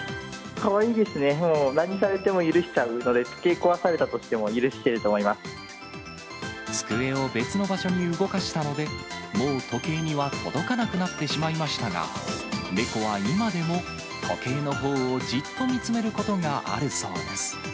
かわいいですね、もう何されても許しちゃうので、時計壊されたとしても許してると机を別の場所に動かしたので、もう時計には届かなくなってしまいましたが、猫は今でも時計のほうをじっと見つめることがあるそうです。